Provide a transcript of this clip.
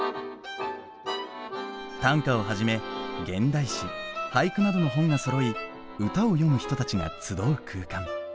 短歌をはじめ現代詩俳句などの本がそろい歌を詠む人たちが集う空間。